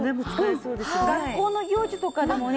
学校の行事とかでもね